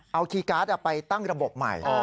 เอาคีย์การ์ดไปตั้งระบบใหม่